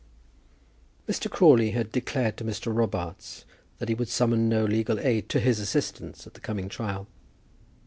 Mr. Crawley had declared to Mr. Robarts, that he would summon no legal aid to his assistance at the coming trial.